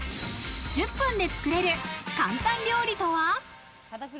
１０分で作れる簡単料理とは？